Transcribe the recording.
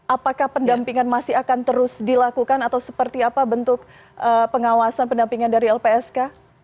apakah pendampingan masih akan terus dilakukan atau seperti apa bentuk pengawasan pendampingan dari lpsk